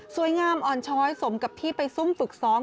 งามอ่อนช้อยสมกับที่ไปซุ่มฝึกซ้อม